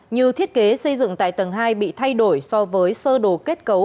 như thiết kế xây dựng tại tầng hai bị thay đổi so với sơ đồ kết cấu